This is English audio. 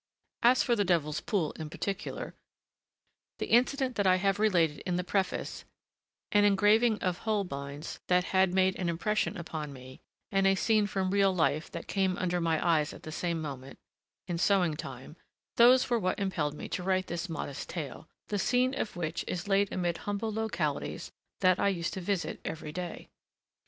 As for The Devil's Pool in particular, the incident that I have related in the preface, an engraving of Holbein's that had made an impression upon me, and a scene from real life that came under my eyes at the same moment, in sowing time, those were what impelled me to write this modest tale, the scene of which is laid amid humble localities that I used to visit every day.